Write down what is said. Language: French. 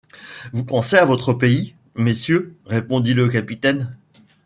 Vous pensez à votre pays, messieurs, répondit le capitaine.